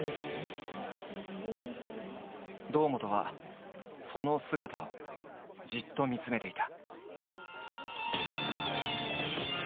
堂本はその姿をじっと見つめていた。